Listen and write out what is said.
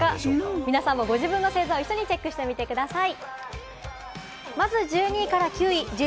皆さんもご自分の星座を一緒にチェックしてみてください。